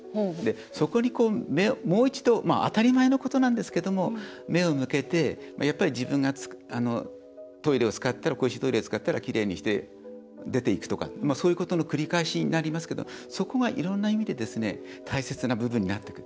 そこに、もう一度当たり前のことなんですけども目を向けて自分が公衆トイレを使ったらきれいにして出ていくとかそういうことの繰り返しになりますけどそこがいろんな意味で大切な部分になってくる。